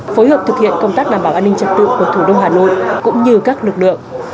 phối hợp thực hiện công tác đảm bảo an ninh trật tự của thủ đô hà nội cũng như các lực lượng